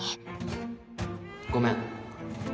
ごめん。